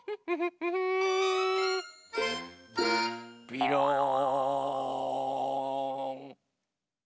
びろん！